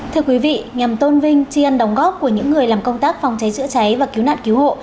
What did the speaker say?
thưa quý vị nhằm tôn vinh tri ân đóng góp của những người làm công tác phòng cháy chữa cháy và cứu nạn cứu hộ